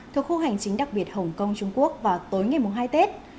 thuộc khu hành chính đặc biệt hồng kông trung quốc vào tối ngày hai tết